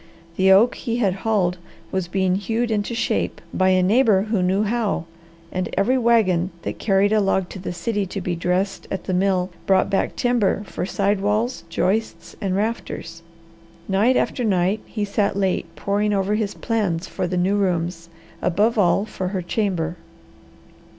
The oak he had hauled was being hewed into shape by a neighbour who knew how, and every wagon that carried a log to the city to be dressed at the mill brought back timber for side walls, joists, and rafters. Night after night he sat late poring over his plans for the new rooms, above all for her chamber.